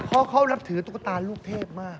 เพราะเขานับถือตุ๊กตาลูกเทพมาก